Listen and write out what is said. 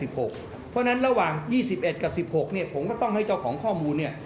เพราะฉะนั้นระหว่าง๒๑กับ๑๖เนี่ยผมก็ต้องให้เจ้าของข้อมูลเนี่ย